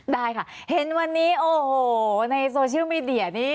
ได้ค่ะเห็นวันนี้โอ้โหในโซเชียลมีเดียนี้